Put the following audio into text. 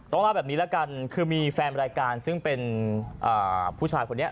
เล่าแบบนี้แล้วกันคือมีแฟนรายการซึ่งเป็นผู้ชายคนนี้